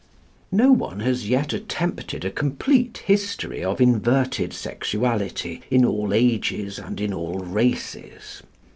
No one has yet attempted a complete history of inverted sexuality in all ages and in all races.